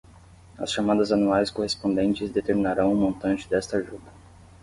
As chamadas anuais correspondentes determinarão o montante desta ajuda.